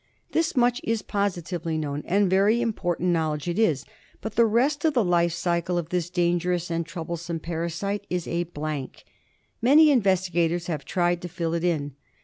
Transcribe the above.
This much is positively known, and very important knowledge it is ; but the rest of the life history of this dangerous and troublesome parasite is a blank. Many investigators have tried to fill it in.